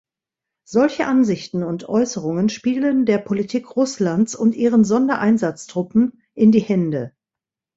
Solche Ansichten und Äußerungen spielen der Politik Russlands und ihren Sondereinsatztruppen in die Hände.